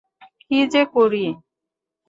কি যে করি?